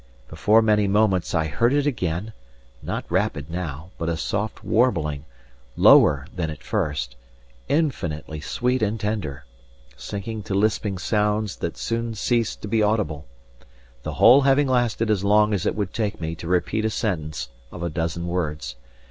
Before many moments I heard it again, not rapid now, but a soft warbling, lower than at first, infinitely sweet and tender, sinking to lisping sounds that soon ceased to be audible; the whole having lasted as long as it would take me to repeat a sentence of a dozen words.